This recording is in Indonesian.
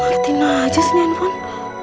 martin aja sini handphone